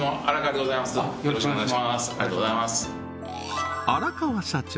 ありがとうございます荒川社長